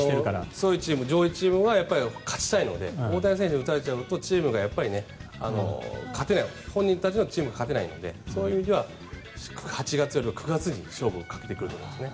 そういうチーム上位チームは勝ちたいので大谷選手に打たれちゃうとチームが勝てない本人たちのチームが勝てないのでそういう意味では８月よりも９月に勝負をかけてくると思うんです。